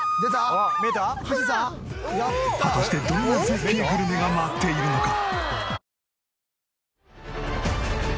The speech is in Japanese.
果たしてどんな絶景グルメが待っているのか？